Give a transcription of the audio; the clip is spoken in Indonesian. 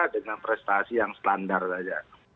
dengan prestasi yang standar saja